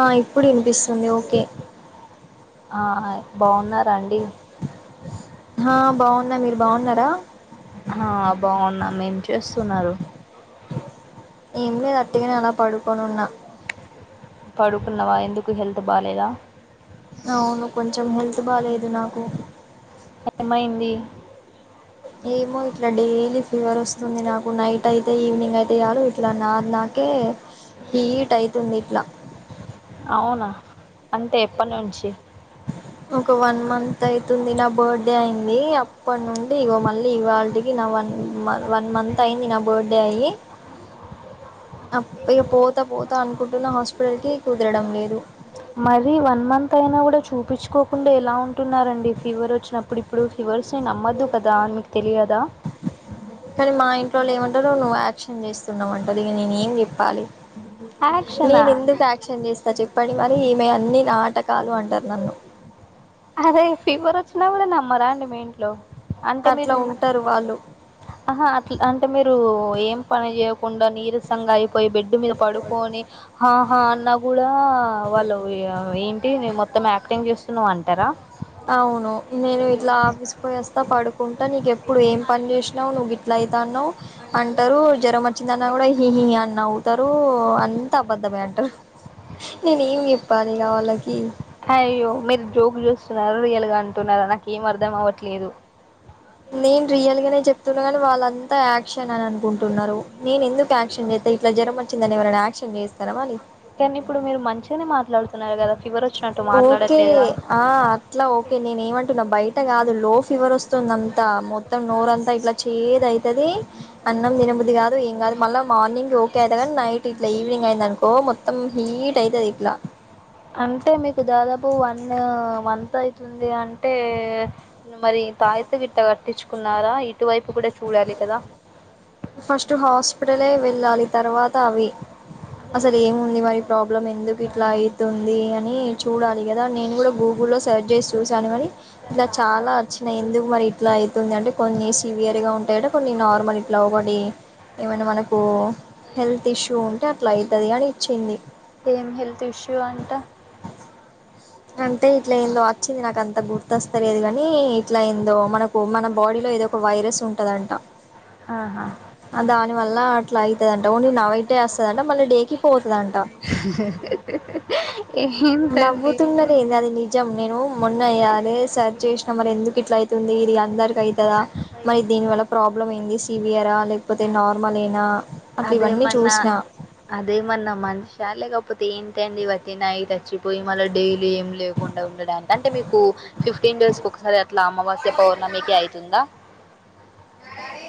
ఆ ఇప్పుడు వినిపిస్తుంది ఓకే ఆ బాగున్నారా అండి ఆ బాగున్నా మీరు బాగున్నారా హా బాగున్నాం ఏం చేస్తున్నారు ఏం లేదు వట్టిగానే అలా పడుకోనున్నా పడుకున్నవా, ఎందుకు హెల్త్ బాలేదా? అవును, కొంచెం హెల్త్ బాలేదు నాకు. ఏమైంది? ఏమో ఇట్లా డైలీ ఫీవర్ వస్తుంది నాకు నైట్ అయితే ఈవినింగ్ అయితే చాలు ఇట్లా నార్మ కే హీట్ అయితుంది ఇట్లా అవునా, అంటే ఎప్పట్నుంచి? ఒక వన్ మంత్ అయితుంది నా బర్త్ డే అయింది అప్పటి నుండి ఇగో మళ్ళీ ఇవాళ్టి నా వన్ వన్ మంత్ అయింది నా బర్త్డే అయ్యా అప్ ఇగ పోతా పోతా అనుకుంటున్నా హాస్పిటల్ కి కుదరడం లేదు మరీ వన్ మంత్ అయినా గూడ చూపించుకోకుండా ఎలా ఉంటున్నారండి ఫీవర్ వచ్చినప్పుడు ఇప్ ఇప్పుడు ఫివర్స్ ని నమ్మొదు కదా అని మీకు తెలియదా కానీ మా ఇంట్లోళు ఏమంటారు నువ్వు యాక్షన్ జేస్తున్నావు అంటారు ఇగ నేను ఏం చెప్పాలి యాక్షనా నేను ఎందుకు యాక్షన్ జేస్తా చెప్పండి మరీ ఈమే అన్ని నాటకాలు అంటారు నన్ను అరే ఫీవర్ వచ్చినా గూడ నమ్మరాండి మీ ఇంట్లో అంటే అట్లా మీరు ఉంటారు వాళ్ళు ఆహా అట్లా అంటే మీరు ఏం పని జేయకుండా నీరసం సంగా అయిపోయి బెడ్ మీద పడుకొని ఆహా అన్నా గూడ వాళ్లు ఏంటి నేన్ మొత్తం యాక్టింగ్ జేస్త నో అంటారా అవును నేను ఇట్లా ఆఫీస్ పోయే అస్తా పడుకుంటా నీకేప్పుడు ఏం పని జేసినావు నువ్వు గిట్ లైతానవ్ అంటారు జరం వచ్చిందన్న గూడ ఇహి ఇహి అన్ నవు తారు అంత అబద్ధమే అంటారు నేను ఏమి జేప్పాలి ఇగ వాళ్లకి హాయ్యో మీరు జోక్ జేస్తున్నారా రియల్ గా అంటున్నారా నాకు ఏం అర్ధం అవట్లేదు నేను రియల్ గానే జేప్తున్నా గానీ వాళ్ళంతా యాక్షన్ అననుకుంటున్నారు నేను ఎందుకు యాక్షన్ జేత్త ఇట్లా జ్వరం వచ్చిందని ఎవరైనా యాక్షన్ జేస్తారా మరీ కానీ ఇప్పుడు మీరు మంచిగానే మాట్లాడుతున్నారు గదా ఫివర్ వచ్చినట్టు ఓకే మాట్లాడట్లేగా ఆ అట్లా ఓకే నేను ఏవటున్నా బయట గాదు లో ఫీవర్ వస్తుంది అంతా మొత్తం నోరంతా ఇట్లా చేద్యాయితది అన్నం దినబుద్ది గాదు ఏం గాదు మళ్లా మార్నింగ్ ఓకే అయిత గానీ నైట్ ఇబ్ ఇట్లా ఈవినింగ్ అయిందనుకో మొత్తం హీట్ అయితది ఇట్లా అంటే మీకు దాదాపు వన్ వంత మంత్ అయితుంది అంటే మరీ తాయిత్తు గిట్ట కట్టించుకున్నారా ఇటువైపు గూడ చూడాలి కదా ఫస్ట్ హాస్పిటలే వెళ్లాలి తర్వాత అవి అసల్ ఏముంది మరి ప్రాబ్లం ఎందుకు ఇట్లా అయితుంది అని చూడాలి గదా నేను గూడ గూగుల్లో సెర్చ్ జేసీ చూశాను గానీ నక్ చాలా వచ్చినాయి ఎందుకు మరీ ఇట్ ఇట్లాయితుంది అంటే కొన్ని సివియర్ గా ఉంటాయట కొన్ని నార్మల్ ఇట్లా అవుపా డి ఏమైనా మనకు హెల్త్ ఇష్యూ ఉంటే అట్లా అయితది అని ఇచ్చింది ఏం హెల్త్ ఇష్యూ అంట అంటే ఇట్లా ఏందో వచ్చింది నాకంత గుర్తొస్తలేదు గానీ ఇట్లా ఏందో మనకు మనం బాడీలో ఏదో ఒక వైరస్ ఉంటుందంట ఆహా దానివల్ల అట్లా అయితదంట ఓన్లీ నవైటే వస్తదంట మళ్లీ డేకి పోతుందంట హీ హీ హే ఏహెమో నవ్వుతున్నది ఏంది అది నీ నిజం నేను మొన్న అయ్యాలే సెచ్ జేసినా మరెందుకు ఇట్లా అయితుంది ఇది అందరికి అయి తద మరి దీనివల్ల ప్రాబ్లమ్ ఎంది సివియరా లేకపోతే నార్మలేనా అట్లా ఇవన్నీ అదేమన్నా చూసిన అదేమన్నా మనిష లేకపోతే ఏంటండి వట్టి నైట్ వచ్చిపోయి మళ్లీ డైలీ ఏమి లేవు ఉండ ఉండడానికి అంటే మీకు ఫిఫ్టీన్ డేస్ కోక్కసారి అట్లా అమావాస్య పౌర్ణమికి అయితుందా డాడీ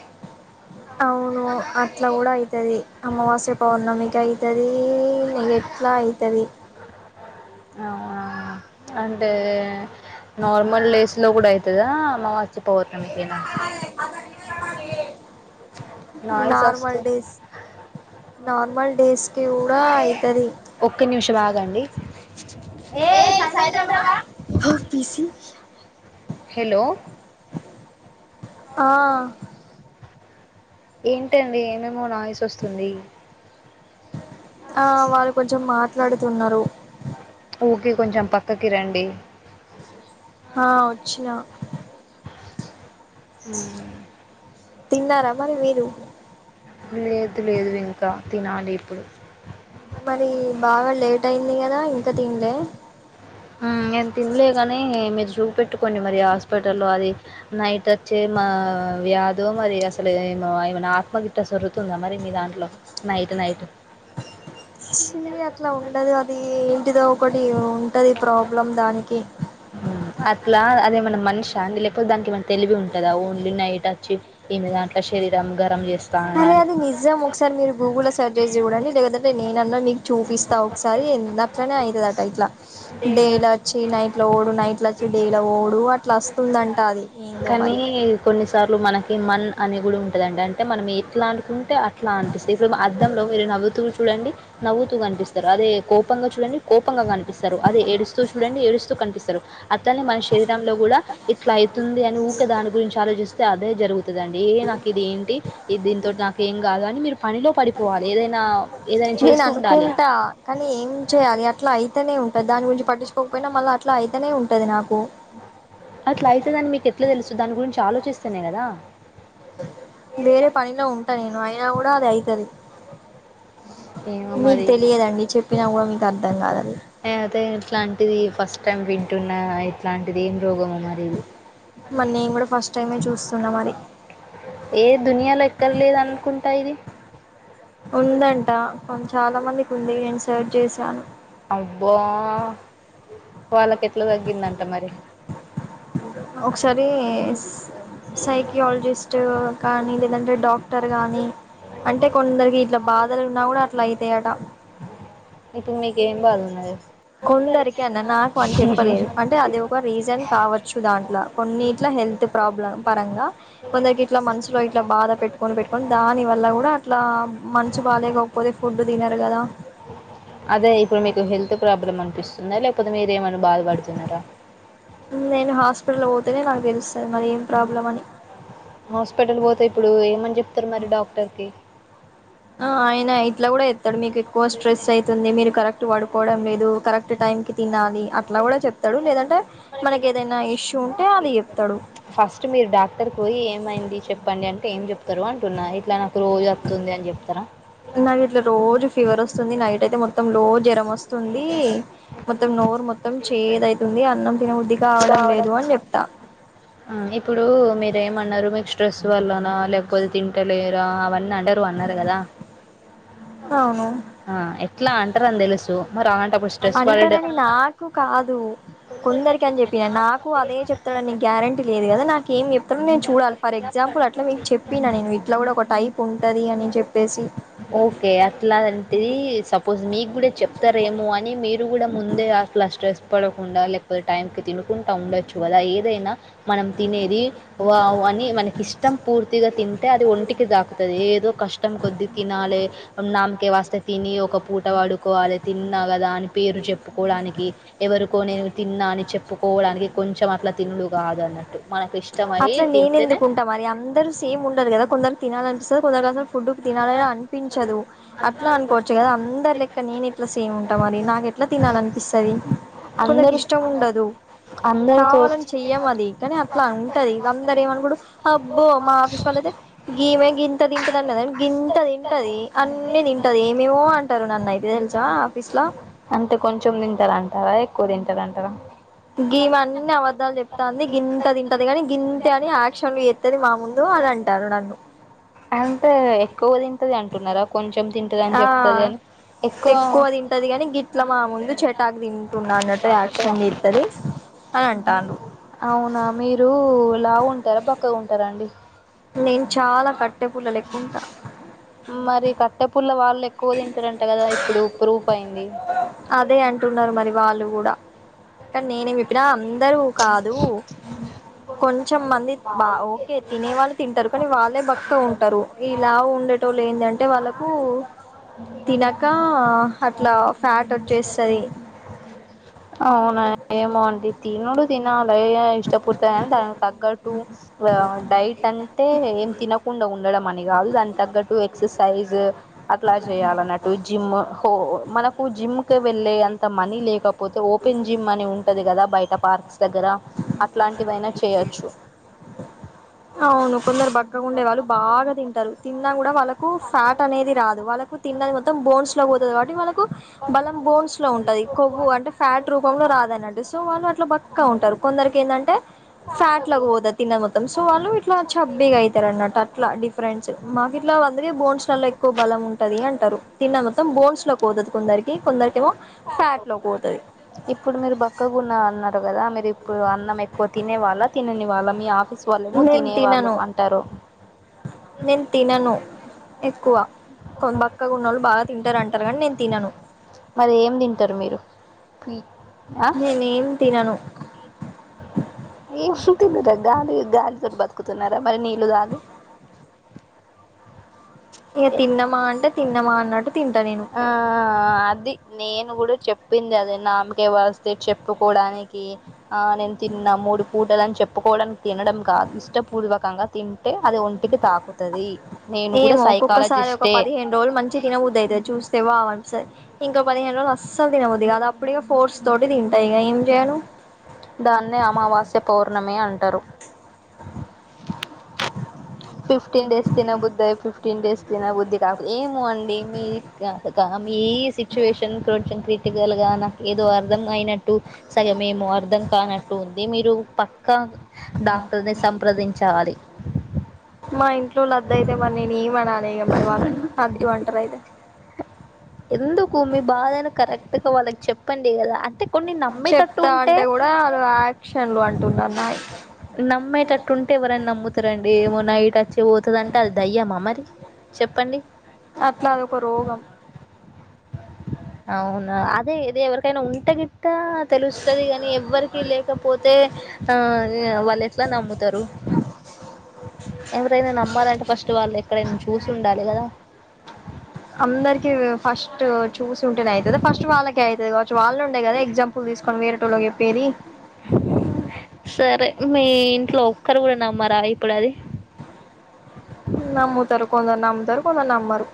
అవును అట్లా గూడ అయితది అమావాస్య పౌర్ణమికి అయి తది నెగటివ్లా అయితది ఆ అంటే నార్మల్ డేస్ లో గూడ అయితదా మా చ్చ పోతనీకయినా నాయిస్ వస్తే నార్మల్ డేస్ కి కూడా అయితది ఒక్క నిమిషం ఆగండి ఏ సైలందవా ఓపీసి హలో ఆ ఏంటండి ఏమేమో నాయిస్ వస్తుంది ఆ వాళ్ళు కొంచెం మాట్లాడుతున్నరు ఓకే కొంచెం పక్కకి రండి హా వచ్చినా తిన్నారా మరి మీరు లేదు లేదు ఇంకా తినాలి ఇప్పుడు మరి బాగా లేట్ అయింది కదా ఇంకా తిన్ లే హా నేను తినలే కాని మీరు చూపెట్టుకోండి మరి హాస్పిటల్లో అది నైట్ వచ్చే మా వ్యాధో మరి అసలు ఏమో ఏమన ఆత్మగి అట్ట సొరుతుందా మరి మీ దాంట్లో నైటు నైటు చి అట్లా ఉండదు అది ఏంటిదో ఒకటి ఉంటది ప్రాబ్లం దానికి అట్లా అదే మన మనిషా శాంతి లేకపోతే దానికి మన తెలివి ఉంటందా ఓన్లీ నైట్ వచ్చి ఈమె దాంట్లో శరీరం గరం చేస్త్ అరే అది నిజము ఒకసారి మీరు గూగుల్లో సెర్చ్ చేసి చూడండి లేదంటే నేనన్నా మీకు చూపిస్తా ఒకసారి ఎంత అట్లనే అయితది అట ఇట్లా డే లో వచ్చి నైట్ లో ఓడు నైట్ల వచ్చి డేలో ఓడు అట్లా వస్తుందంట అది ఏందో కానీ మరి కొన్నిసార్లు మనకి మన్ అని కూడా ఉంటదండి అంటే మనం ఎట్లా అంటికు అంటే అట్లా అనిపిస్తుంది ఇప్పుడు మా అద్ధంలో మీరు నవ్వుతూ చూడండి నవ్వుతూ కనిపిస్తర అదే కోపంగా చూడండి కోపంగా కనిపి స్తారు అదే ఏడుస్తూ చూడండి ఏడుస్తూ కనిపిస్తారు అట్లనే మన శరీరంలో కూడా ఇట్లా అయితుంది అని ఊకే దాని గురించి ఆలోచిస్తే అదే జరుగుతది అండి ఏ నాకు ఇది ఏంటి ఈ దీనితో నాక ఏం కాదు అని మీరు పనిలో పడిపోవాలి ఏదైనా ఏదైనా నేను చేస్తూ ఉండాలి. అనుకుంటా కానీ ఏం చేయాలి అట్లా అయితేనే ఉంటది దాని గురించి పట్టించుకోకపోయినా మళ్ళీ అట్లా అయితనే ఉంటది నాకు అట్లా అయితదని మీకు ఎట్లా తెలుసు దాని గురించి ఆలోచిస్తేనే కదా వేరే పనిలో ఉంటా నేను అయినా కూడా అది అయితది ఏమో మీకు మరి తెలియదండి చెప్పినా కూడా మీకు అర్థం కాదది నేనయితే ఇట్లాంటిది ఫస్ట్ టైమ్ వింటున్న ఇట్లాంటిది ఏం రోగం అమా మరి నేను కూడా ఫస్ట్ టైమే చూస్తున్నా మరి ఏ దునియాలో ఎక్కడ లేదు అనుకుంటా ఇది ఉందంట కానీ చాలా మందికి ఉంది నేను సర్వ్ చేశాను అబ్బా వాళ్ళకి ఎట్లా తగ్గిందంట మరి ఒకసారి స్ సైకియాలజిస్ట్ కానీ లేదంటే డాక్టర్ గానీ అంటే కొందరికి ఇట్లా బాధలు ఉన్నా కూడా అట్లా అయితాయట ఇప్పుడు నీకేం కావాలి మరి కొందరికి అన్న నాకు అని చెప్పలేదు అంటే అది ఎక్కువ రీజన్ కావచ్చు దాంట్లో కొన్నిట్లో హెల్త్ ప్రాబ్లమ్ పరంగా కొందరికి ఇట్లా మనసులో ఇట్లా బాధ పెట్టుకొని, పెట్టుకొని దాని వల్ల కూడా ఇట్లా మనసు బాగా లేకపోతే ఫుడ్ తినరు కదా? అదే ఇప్పుడు మీకు హెల్త్ ప్రాబ్లమ్ అనిపిస్తుందా? లేకపోతే మీరు ఏమన్నా బాధపడుతున్నారా? నేను హాస్పిటల్ పోతేనే నాకు తెలుస్తాది మరి ఏం ప్రాబ్లం అని హాస్పిటల్ పోతే ఇప్పుడు ఏమని చెప్తారు మరి డాక్టర్ కి ఆ అయినా ఇట్లా కూడా చెప్తారు. మీకు ఎక్కువ స్ట్రెస్ అవుతుంది. మీరు కరెక్ట్ పడుకోవడం లేదు. కరెక్ట్ టైం కి తినాలి అట్లా కూడా చెప్తారు. చెప్తాడు లేదంటే మనకి ఏదైనా ఇష్యూ ఉంటే అది చెప్తాడు. ఫస్ట్ మీరు డాక్టర్ కి పోయి ఏమైంది చెప్పండి అంటే ఏం చెప్తారు అంటున్నా. ఇట్లా నాకు రోజూ వస్తుంది అని చెప్తారా? నాకు ఇట్లా రోజా ఫీవర్ వస్తుంది. నైట్ అయితే మొత్తం లో జ్వరము వస్తుంది. మొత్తం నోరు చేదు అవుతుంది. అన్నం తినబద్ది కావడం లేదు అని చెప్తా. ఇప్పుడు మీరేమన్నారు మీకు స్ట్రెస్ వల్లనా లేకపోతే తింటలేరా అవన్నీ అన్నారు కదా అవును ఎట్లా అంటారుని తెలుసు మరి అలాంటప్పుడు స్ట్రెస్ పడడం అంటారని ఎందుకు. నాకు కాదు కొందరికి అని చెప్పిన నాకు అదే చెప్తాడు న గ్యారంటీ లేదు కదా నాకు ఏం చెప్తాడో నేను చూడాలి. ఫర్ ఎగ్జాంపుల్ అట్లా మీకు చెప్పినా నేను ఇట్లా కూడా ఒక టైప్ ఉంటది అని చెప్పేసి ఓకే అట్లాంటేది. సపోజ్ మీకు కూడా చెప్తారేమో అని మీరు కూడా ముందే అలా స్ట్రెస్ పడకుండా లేకపోతే టైంకి తిినకుంటూ ఉండొచ్చు కదా ఏదైనా. మనం తినేది వావ్ అని మనకి ఇష్టం పూర్తిగా తింటే అది ఒంటికి తాకుతుంది ఏదో కష్టం కొద్ది తినాలి నామకే వస్తే తిని ఒక పూట పడుకోవాలి. తిన్నా కదా అని పేరు చెప్పుకోవడానికి ఎవరికో నేను తిన్నా అని చెప్పుకోవడానికి కొంచెం అట్లా తినుడు కాదు అన్నమాట. మనకు ఇష్ట అట్లా నేను ఎందుకు ఉంటా మరి. అందరూ సేమ్ ఉండరు కదా కొందరు తినాలని అనిపిస్తాది. కొందరికి ఫుడ్ తినాలని అనిపించదు. అట్లా అనుకోవచ్చు కదా అందరు లెక్క నేను ఎట్లా సేమ్ ఉంటా మరి నాకు ఎట్లా తినాలి అనిపిస్తాది. కొందరికి ఇష్టం ఉండదు. అందరితో చేయ్యం అది కానీ అట్లా ఇది అందరూ ఏమనుకుంటారు అబ్బో మా ఆఫీస్ వాళ్ల్ల అయితే గీమే గీ ఇంత తింటదండి. గింత తింటది అన్నీ తింటది ఏమేమో అంటారు. నన్ను అయితే తెలుసా ఆఫీస్ లో అంటే కొంచెం తింటారంటారా ఎక్కువ తింటారంటారా? గీమే అన్నీ అబద్దాలు చెప్తాది. గింత తింటాది. కాని గింతే అని యాక్షన్లు చేస్తాది. మాముందు అని అంటారు నన్ను. అంతే ఎక్కువ తింటాది అంటున్నారా? కొంచెం తింటాది అని ఆ చెప్పుతాది అని. ఎక్కువ తింటాది కాని గిట్ల మా ముందు చెటాకి తింటున్నా అన్నట్టు యాక్షన్ చేస్తాది అని అంటారు. అవునా, మీరు లావు ఉంటారా బక్కగా ఉంటారా అండి? నేను చాలా కట్టె పుల్ల లెక్క ఉంటా. మరి కట్టె పూల్ల వాళ్ళు ఎక్కువ తింటారంట కదా. ఇప్పుడు ప్రూఫ్ అయ్యింది. అదే అంటున్నారు మరి వాళ్ళు కూడా కానీ నేనేమి చెప్పినా అందరూ కాదు కొంచెం మంది ఓకే తినేవాళ్ళు తింటారు. కానీ వాళ్ళే బక్కగా ఉంటారు. ఈ లావు ఉండేటోళ్ళు ఏంటంటే వాళ్ళకు తినక అట్లా ఫ్యాట్ వచ్చేస్తది అవునా ఏమో అండి తినుడు తినాలి ఆ ఇష్టపుడితే అని దానికి తగ్గట్టు ఆ డైట్ అంటే ఏం తినకుండా ఉండడం అని కాదు దాని తగ్గట్టు ఎక్ససైజ్ అట్లా చెయ్యాలన్నట్టు జిమ్ హో మనకు జిమ్ క వెళ్ళే అంత మనీ లేక పోతే ఓపెన్ జిమ్ అని ఉంటది కదా బయట పార్క్స్ దగ్గర అట్లాంటివైనా చేయొచ్చు అవును కొందరు బక్కగుండే వాళ్ళు బాగా తింటారు తిన్నా కూడా వాళ్ళకు ఫ్యాట్ అనేది రాదు వాళ్ళకు తిన్నది మొత్తం బోన్స్ లోకు పోతది కాబట్టి వాళ్ళకు బలం బోన్స్ లో ఉంటది కొవ్వు అంటే ఫ్యాట్ రూపంలో రాదు అనట్టు సో వాళ్ళు అట్లా బక్కా ఉంటారు కొందరికి ఏందంటే ఫ్యాట్లకు పోతది తిన్న మొత్తం సో వాళ్ళు ఇట్లా చబ్బీగా ఐతారు అన్నట్టు అట్లా డిఫరెంట్స్ మాకు ఇట్లా అందరివీ బోన్స్ లల్లో క్కువ బలం ఉంటది అంటారు తిన్న మొత్తం బోన్స్ లోకి పోతది కొందరికి కొందరికి ఏమో ఫ్యాట్ లోకి పోతది ఇప్పుడు మీరు బక్కగున్నా అన్నారు కదా మీరు ఇప్పుడు అన్నం ఎక్కువ తినే వాళ్ళా తినని వాళ్ళా మీ ఆఫీస్ వాళ్ళేమో నేను తినేవాళ్ళు తినను అంటారు నేను తినను ఎక్కువ కోన్ బక్కగున్నోళ్ళు బాగా తింటారంటారు కానీ నేను తినను మరి ఏం తింటరు మీరు ఆ నేనేం తినను ఏం తినరా గాలి గాలి తోటి బతుకుతున్నారా మరి నీళ్ళు దాగి ఏ తిన్నమా అంటే తిన్నమా అన్నట్టు తింటా నేను ఆ అది నేను కూడా చెప్పింది అదే నామకేవాస్తే చెప్పుకోడానికి ఆ నేను తిన్నా మూడు పూటలు ని చెప్పుకోవడానికి తినడం కాదు ఇష్టపూర్వకంగా తింటే అది ఒంటికి తాకుది నేను కూడా సైకాలజిస్టే రోలు మంచి తినబుద్దైతే చూస్ తే వావన్స ఇంకోక పదిహేను రోజుల అస్సలు తినబుద్ది కాదు అప్పుడు ఇగ ఫోర్స్ తోటి తింటా ఇగ ఏం చేయను దాన్నే అమావాస్య పౌర్ణమి అంటారు ఫిఫ్టీన్ డేస్ తినబుద్దై ఫిఫ్టీన్ డేస్ తినబుద్ధి కాపు ఏమో అండి మీ కా కా మీ సిచ్యువేషన్ కొంచెం క్రి టికల్ గా నాకేదో అర్ ర్థం అయినట్టు సగమేమో అర్థం కానట్టు ఉంది మీరు పక్కా డాక్టర్ ని సంప్రదించాలి మా ఇంట్లోళ్ళు అద్దు అయితే మరి నేను ఏం అనాలే ఇగ మరి వాళ్ళని అద్దు అంటారు అయితే ఎందుకు మీ బాధని కరెక్ట్గా వాళ్ళకి చెప్పండి కదా అంటే కొన్ని నమ్మేటట్టు చెప్తా ఉంటే అంటే కూడా వాళ్ళు యాక్షన్లు అంటున్నారు నాయి నమ్మేటట్టు ఉంటే ఎవరైనా నమ్ముతారండి ఏమో నైట్ అచ్చి పోతదంటే అది దయ్యమా మరి చెప్పండి అట్లా అది ఒక రోగం అవునా అదే ఇదే ఎవరికైనా ఉంటే గి టా తెలుస్తది కానీ ఎవ్వరికీ లేకపోతే ఆ వాళ్ళెట్లా నమ్ముతారు ఎవరైనా నమ్మాలంటే ఫస్ట్ వాళ్ళు ఎక్కడైనా చూసి ఉండాలి కదా అందరికీ ఫస్టు చూసి ఉంటేనే ఐతదా ఫస్ట్ వాళ్ళకే ఐతది కావచ్చు వాళ్ళునుండే కదా ఎగ్జాం ను తీసుకొని వేరే టోళ్లకి చెప్పేది సరే మీ ఇంట్లో ఒక్కరు కూడా నమ్మరా ఇప్పుడు అది నమ్ముతారు కొందరు నమ్ముతారు కొందరు నమ్మరు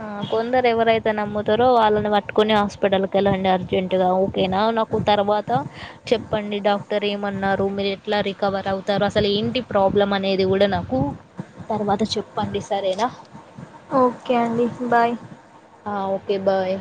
ఆ కొందరు ఎవరైతే నమ్ముతారో వాళ్ళని పట్టుకొని హాస్పిటల్కి వెళ్ళండి అర్జెంట్ ఓకేనా నాకు తర్వాత చెప్పండి డాక్టర్ ఏమన్నారు మీరు ఎట్లా రికవర్ అవుతు తర్వా అసలు ఏంటి ప్రాబ్లం అనేది కూడా నాకు తర్వాత చెప్పండి సరేనా ఓకే అండి బాయ్ ఓకే బాయ్